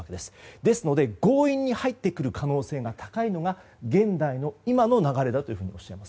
ですので強引に入ってくる可能性が高いのが現代の今の流れだとおっしゃいます。